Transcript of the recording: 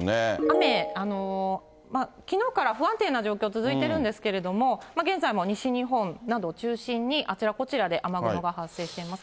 雨、きのうから不安定な状況続いているんですけれども、現在も西日本などを中心に、あちらこちらで雨雲が発生しています。